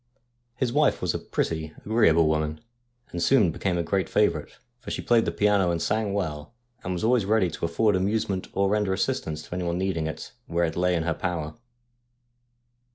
His wife was a pretty, agreeable woman, and soon became a great favourite, for she played the piano and sang well, and was always ready to afford amusement or render assistance to anyone needing it, where it lay in her power.